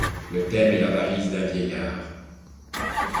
Le thème est l’avarice d’un vieillard.